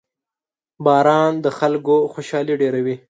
• باران د خلکو خوشحالي ډېروي.